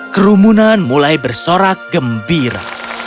kerumunan mulai bersorak gembira